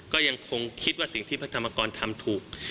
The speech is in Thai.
ก็ยังคงคิดว่าสิ่งที่พระธรรมกรทำถูก